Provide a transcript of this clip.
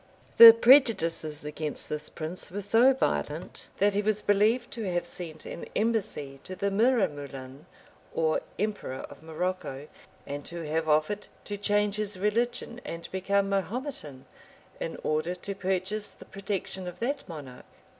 The prejudices against this prince were so violent, that he was believed to have sent an embassy to the Miramoulin, or emperor of Morocco, and to have offered to change his religion and become Mahometan, in order to purchase the protection of that monarch.